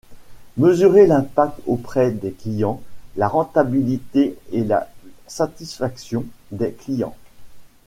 Mesurer l’impact auprès des clients, la rentabilité et la satisfaction des clients.